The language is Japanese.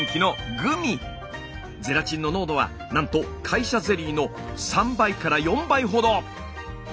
ゼラチンの濃度はなんと会社ゼリーの３倍から４倍ほど！